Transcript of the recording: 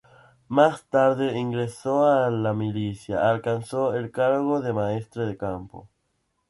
Más tarde ingresó en las milicias, alcanzando el grado de maestre de campo.